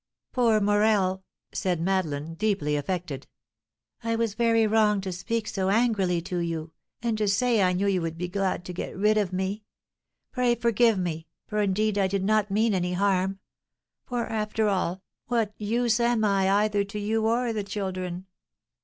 "Poor Morel!" said Madeleine, deeply affected. "I was very wrong to speak so angrily to you, and to say I knew you would be glad to get rid of me. Pray forgive me, for indeed I did not mean any harm; for, after all, what use am I either to you or the children?